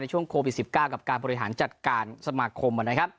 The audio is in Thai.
ในช่วงโควิด๑๙กับการบริหารจัดการสมาคม